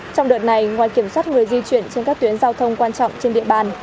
trong đợt này ngoài kiểm soát người di chuyển trên các tuyến giao thông quan trọng trên địa bàn